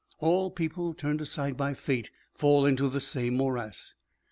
All people turned aside by fate fall into the same morass.